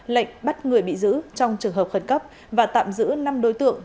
lệnh bắt người bị giữ trong trường hợp khẩn cấp và tạm giữ năm đối tượng